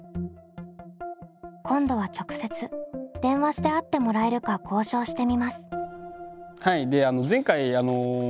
今度は直接電話して会ってもらえるか交渉してみます。